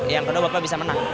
yang kedua bapak bisa menang